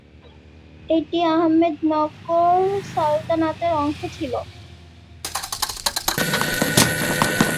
এটি আহমেদনগর সালতানাতের অংশ ছিল।